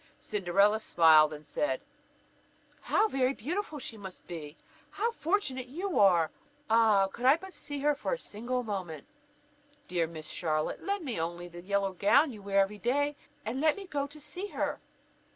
Cinderella smiled, and said: "How very beautiful she must be! How fortunate you are! Ah, could I but see her for a single moment! Dear Miss Charlotte, lend me only the yellow gown you wear every day, and let me go to see her."